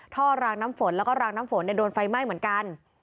รางน้ำฝนแล้วก็รางน้ำฝนโดนไฟไหม้เหมือนกัน